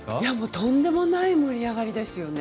とんでもない盛り上がりですよね。